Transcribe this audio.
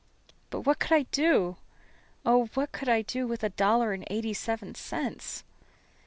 But what could I do Oh! what could I do with a dollar and eighty seven cents?"